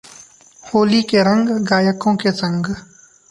होली के रंग गायकों के संग